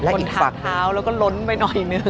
คนถัดเท้าแล้วก็ล้นไปอีกนิด